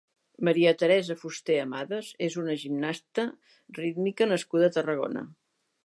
Maria Teresa Fuster Amades és una gimnasta rítmica nascuda a Tarragona.